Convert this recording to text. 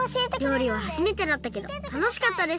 りょうりははじめてだったけどたのしかったです！